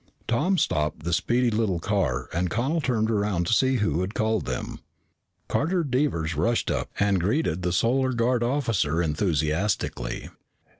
Tom stopped the speedy little car and Connel turned around to see who had called them. Carter Devers rushed up and greeted the Solar Guard officer enthusiastically.